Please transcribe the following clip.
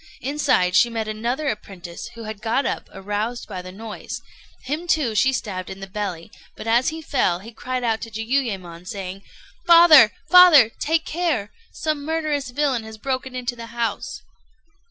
Inside she met another apprentice, who had got up, aroused by the noise; him too she stabbed in the belly, but as he fell he cried out to Jiuyémon, saying: "Father, father! take care! Some murderous villain has broken into the house."